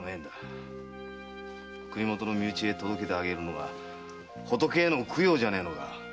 国もとの身内へ届けてあげるのがホトケへの供養じゃねえのか。